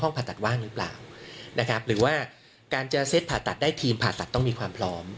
ผ่าตัดว่างหรือเปล่านะครับหรือว่าการจะเซ็ตผ่าตัดได้ทีมผ่าตัดต้องมีความพร้อม